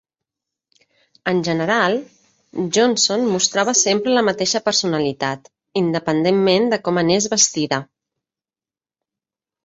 En general, Johnson mostrava sempre la mateixa personalitat, independentment de com anés vestida.